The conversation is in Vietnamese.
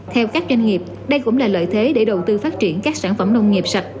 theo các doanh nghiệp đây cũng là lợi thế để đầu tư phát triển các sản phẩm nông nghiệp sạch